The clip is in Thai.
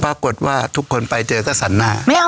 ปรากฏว่าทุกคนไปเจอก็สันหน้า